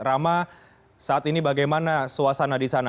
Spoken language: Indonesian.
rama saat ini bagaimana suasana di sana